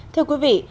thưa quý vị